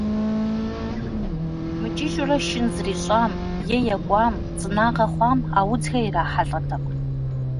Мыкӏыжурэ шын зрищӏам, е екӏуам, цӏынагъэ хъуам а удзхэр ирахьэлӏэтэкъым.